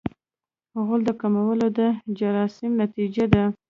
غول د کولمو د جراثیم نتیجه ده.